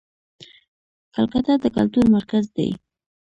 کلکته د کلتور مرکز دی.